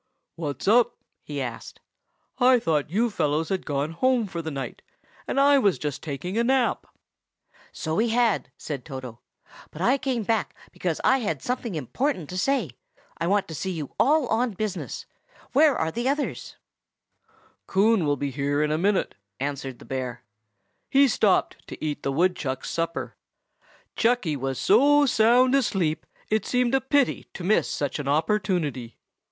"What's up?" he asked. "I thought you fellows had gone home for the night, and I was just taking a nap." "So we had," said Toto; "but I came back because I had something important to say. I want to see you all on business. Where are the others?" "Well," said Toto, "it's about my grandmother." "Coon will be here in a minute," answered the bear. "He stopped to eat the woodchuck's supper. Chucky was so sound asleep it seemed a pity to miss such an opportunity.